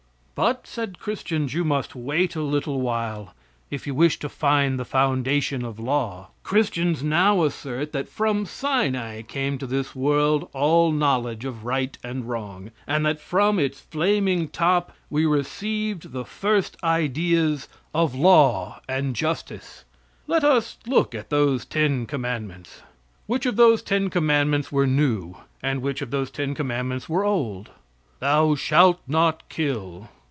But, said Christians, "you must wait a little while if you wish to find the foundation of law." Christians now assert that from Sinai came to this world all knowledge of right and wrong, and that from its flaming top we received the first ideas of law and justice. Let us look at those ten commandments. Which of those ten commandments were new, and which of those ten commandments were old? "Thou shalt not kill."